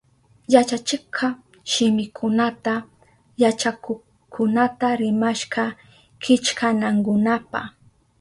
Yachachikka shimikunata yachakukkunata rimashka killkanankunapa.